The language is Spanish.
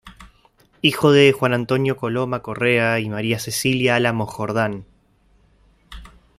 Hijo de Juan Antonio Coloma Correa y María Cecilia Álamos Jordán.